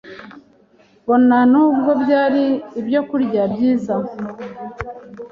bona n’ubwo byari ibyokurya byiza.